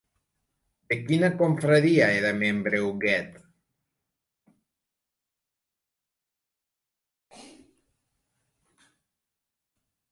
De quina confraria era membre Huguet?